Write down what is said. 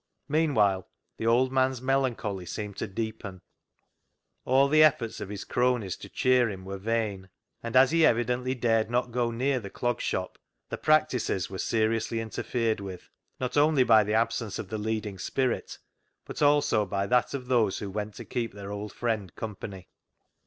Meanwhile the old man's melancholy seemed to deepen. All the efforts of his cronies to cheer him were vain, and as he evidently dared not go near the Clog Shop, the practices were seriously interfered with, not only by the absence of the leading spirit, but also by that of those who went to keep their old friend company.